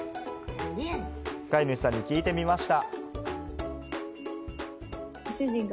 飼い主さんに聞いてみました。